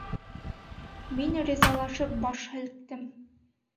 Мин ризалашып баш һелктем.